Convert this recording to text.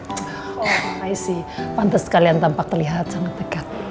oh i see pantes kalian tampak terlihat sangat deket